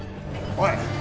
おい！